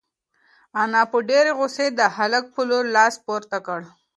انا په ډېرې غوسې د هلک په لور لاس پورته کړ.